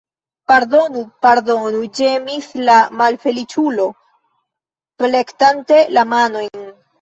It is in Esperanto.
Pardonu, pardonu, ĝemis la malfeliĉulo, plektante la manojn.